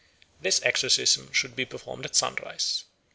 This exorcism should be performed at sunrise.